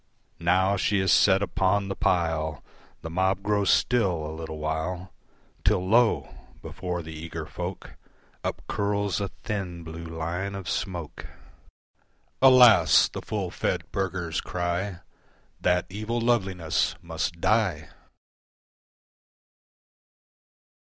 Now she is set upon the pile, The mob grows still a little while, Till lo! before the eager folk Up curls a thin, blue line of smoke. "Alas!" the full fed burghers cry, "That evil loveliness must die!"